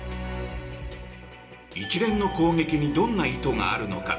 一連の攻撃にどんな意図があるのか。